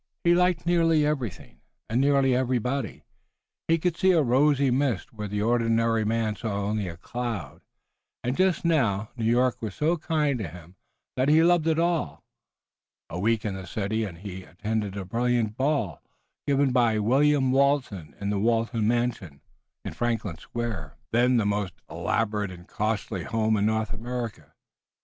He liked nearly everything, and nearly everybody, he could see a rosy mist where the ordinary man saw only a cloud, and just now New York was so kind to him that he loved it all. A week in the city and he attended a brilliant ball given by William Walton in the Walton mansion, in Franklin Square, then the most elaborate and costly home in North America.